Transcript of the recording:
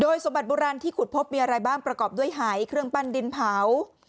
สมบัติโบราณที่ขุดพบมีอะไรบ้างประกอบด้วยหายเครื่องปั้นดินเผา